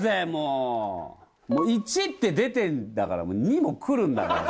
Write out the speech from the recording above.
もう１って出てるんだから、もう２も来るんだ。